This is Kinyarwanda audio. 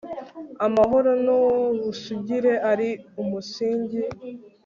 amahoro n'ubusugire ari umusingi